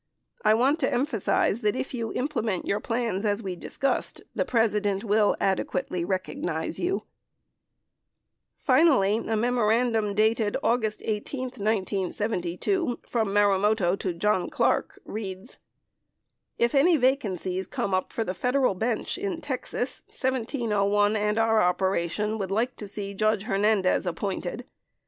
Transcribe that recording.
I want to emphasize that if you implement your plans as we discussed, the President will adequately recognize you. 50 Finally, a memorandum dated August 18, 1972, from Marumoto to John Clarke reads : If any vacancies come up for the federal bench in Texas, 1701 and our operation would like to see Judge Hernandez appointed.